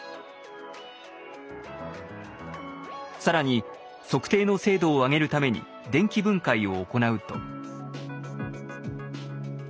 更に測定の精度を上げるために電気分解を行うと。